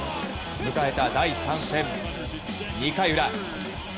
迎えた第３戦、２回裏。